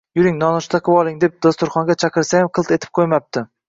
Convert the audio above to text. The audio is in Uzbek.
Yuring, nonushta qilvoling, deb dasturxonga chaqirsayam, qilt etib qo‘ymabdi